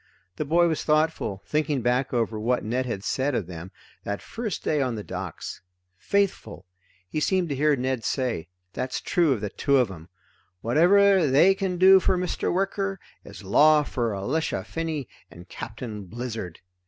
The boy was thoughtful, thinking back over what Ned had said of them, that first day on the docks: Faithful! he seemed to hear Ned say, that's true of the two of 'em! Whatever they can do for Mr. Wicker is law for Elisha Finney and Captain Blizzard.